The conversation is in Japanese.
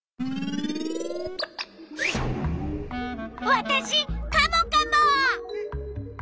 わたしカモカモ！